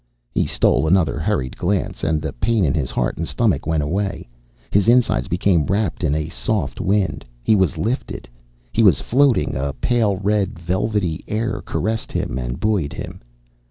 He stole another hurried glance, and the pain in his heart and stomach went away, his insides became wrapped in a soft wind. He was lifted. He was floating, a pale red, velvety air caressed him and buoyed him.